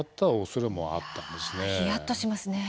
冷やっとしますね。